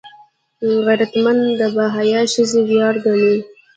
غیرتمند د باحیا ښځې ویاړ ګڼي